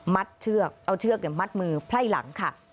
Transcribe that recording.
เชือกเอาเชือกมัดมือไพ่หลังค่ะ